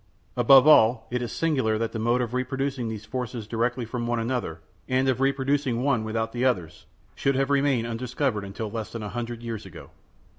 Above all, it is singular that the mode of reproducing these forces directly from one another, and of reproducing one without the others, should have remained undiscovered till less than a hundred years ago.